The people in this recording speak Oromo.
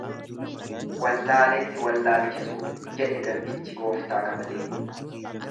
Wallaalee si wallaalchisuu jedhe garbichi gooftaa kabalee.